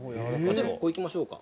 ここ、いきましょうか。